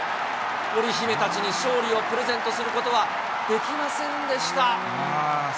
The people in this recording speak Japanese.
オリ姫たちに勝利をプレゼントすることはできませんでした。